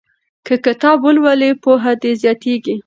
که کتاب ولولې پوهه دې زیاتیږي.